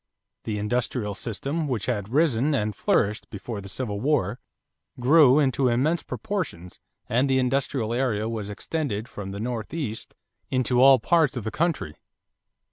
The industrial system, which had risen and flourished before the Civil War, grew into immense proportions and the industrial area was extended from the Northeast into all parts of the country.